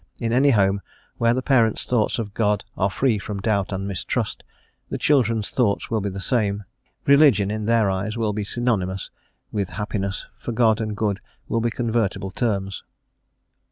In any home where the parents' thoughts of God are free from doubt and mistrust, the children's thoughts will be the same; religion, in their eyes, will be synonymous with happiness, for God and good will be convertible terms.